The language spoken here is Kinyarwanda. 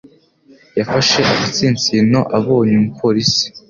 Yafashe agatsinsino abonye umupolisi.